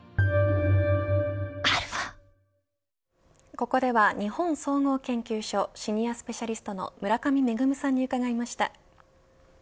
ここでは日本総合研究所シニアスペシャリストの村上芽さんに伺いました。